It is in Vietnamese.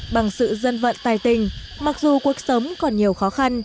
bằng sự dân vận tài tình mặc dù cuộc sống còn nhiều khó khăn